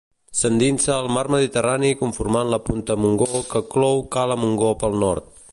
S'endinsa al mar Mediterrani conformant la punta Montgó que clou cala Montgó pel nord.